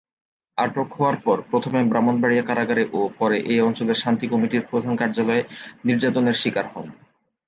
আটক হওয়ার পর প্রথমে ব্রাহ্মণবাড়িয়া কারাগারে ও পরে এ অঞ্চলের শান্তি কমিটির প্রধান কার্যালয়ে নির্যাতনের শিকার হন।